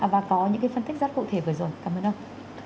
và có những phân tích rất cụ thể vừa rồi cảm ơn ông